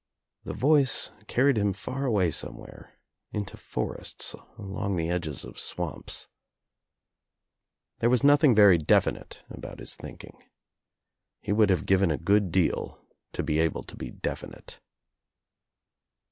The voice carried him far away somewhere, into forests, along the edges of swamps. There was nothing very definite about his thinking. He would have given a good deal to be able to be definite.